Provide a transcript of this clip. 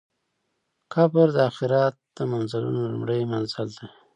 قبر د آخرت د منزلونو لومړی منزل دی.